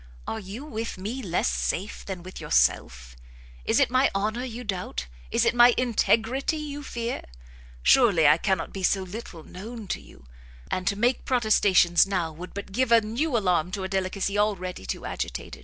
are you with me less safe than with yourself? is it my honour you doubt? is it my integrity you fear? Surely I cannot be so little known to you; and to make protestations now, would but give a new alarm to a delicacy already too agitated.